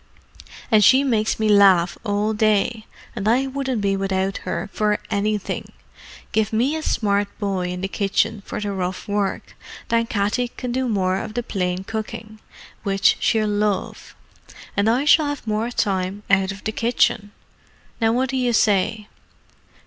"And she makes me laugh all day, and I wouldn't be without her for anything. Give me a smart boy in the kitchen for the rough work; then Katty can do more of the plain cooking, which she'll love, and I shall have more time out of the kitchen. Now what do you say?"